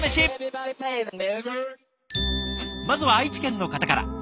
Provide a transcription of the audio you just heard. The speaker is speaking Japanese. まずは愛知県の方から。